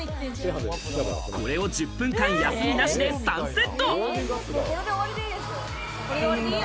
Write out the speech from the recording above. これを１０分間休みなしで３セット。